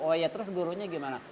oh iya terus gurunya gimana